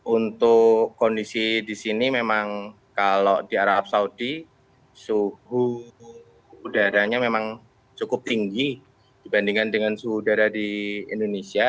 untuk kondisi di sini memang kalau di arab saudi suhu udaranya memang cukup tinggi dibandingkan dengan suhu udara di indonesia